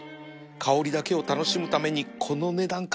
香りだけを楽しむためにこの値段か